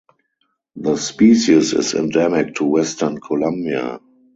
The species is endemic to western Colombia.